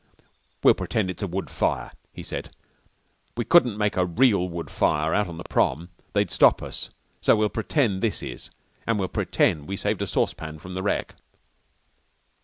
"We'll pretend it's a wood fire," he said. "We couldn't make a real wood fire out on the prom. They'd stop us. So we'll pretend this is. An' we'll pretend we saved a saucepan from the wreck."